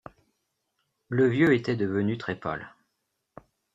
Le vieux était devenu très pâle.